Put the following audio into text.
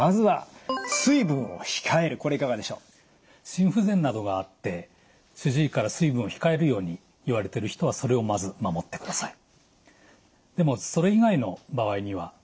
心不全などがあって主治医から水分を控えるように言われてる人はそれをまず守ってください。